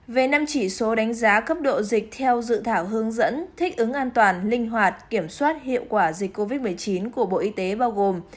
về năm chỉ số đánh giá cấp độ dịch theo dự thảo hướng dẫn thích ứng an toàn linh hoạt kiểm soát hiệu quả dịch covid một mươi chín của bộ y tế bao gồm